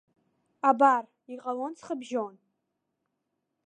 Абар, иҟалон ҵхыбжьон.